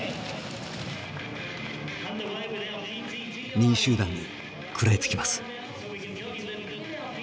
２位集団に食らいつきます。